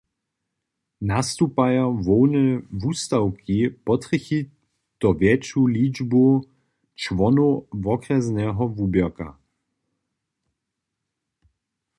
Nastupajo hłowne wustawki potrjechi to wjetšu ličbu čłonow wokrjesneho wuběrka.